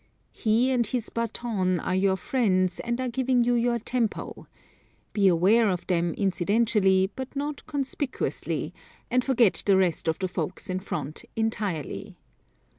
He and his baton are your friends and are giving you your tempo. Be aware of them incidentally but not conspicuously, and forget the rest of the folks in front entirely.